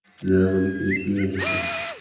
জয়া বলে, কী রে, কী হয়েছে তোর?